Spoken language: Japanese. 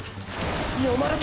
読まれた！！